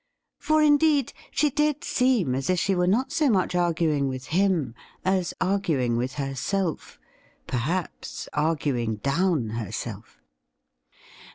For, indeed, she did seem as if she were not so much arguing with him as arguing with herself — perhaps arguing down herself.